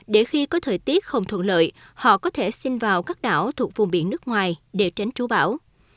để khi có thời tiết không thuận lợi họ có thể sinh vào các đảo thuộc vùng biển nước ngoài để tránh trú bão